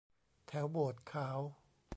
แถวโบสถ์ขาว